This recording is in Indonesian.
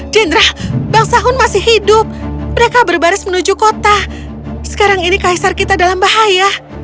jendra bangsa hun masih hidup mereka berbaris menuju kota sekarang ini kaisar kita dalam bahaya